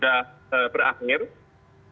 dan kita harus mencari penyelenggaraan